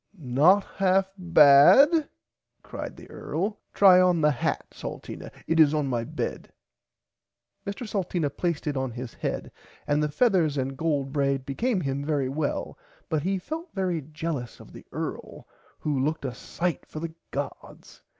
Not half bad cried the earl try on the hat Salteena it is on my bed. Mr Salteena placed it on his head and the feathers and gold braid became him very well but he felt very jellous of the earl who looked a sight for the gods.